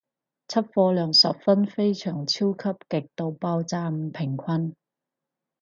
出貨量十分非常超級極度爆炸唔平均